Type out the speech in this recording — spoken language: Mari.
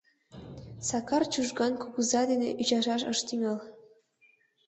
Сакар Чужган кугыза дене ӱчашаш ыш тӱҥал.